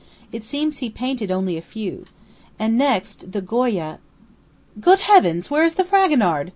"It seems he painted only a few. And next, the Goya " "Good heavens! where is the Fragonard?"